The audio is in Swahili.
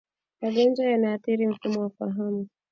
Magonjwa yanayoathiri mfumo wa fahamu